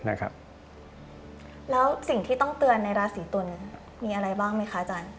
แล้วสิ่งที่ต้องเตือนในราสีตุลมีอะไรบ้างมั้ยคะจาน